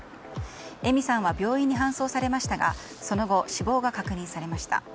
枝美さんは病院に搬送されましたがその後、死亡が確認されました。